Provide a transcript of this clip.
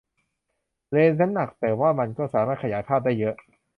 เลนส์นั้นหนักแต่ว่ามันก็สามารถขยายภาพได้เยอะ